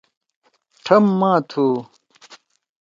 ٹھم ماہ تُھو۔